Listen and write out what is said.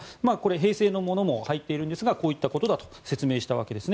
平成のものも入っているんですがこういったことだと説明したわけです。